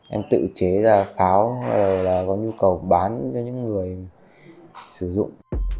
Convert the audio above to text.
em tự chế ra pháo có nhu cầu bán cho những người sử dụng